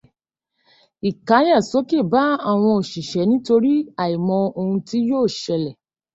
Ìkáyàsókè bá àwọn òṣìṣẹ́ nítorí àìmọ ohun tí yóò ṣẹlẹ̀.